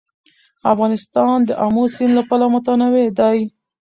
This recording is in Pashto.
افغانستان د آمو سیند له پلوه متنوع دی.